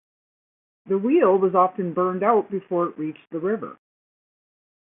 The wheel was often burned out before it reached the river.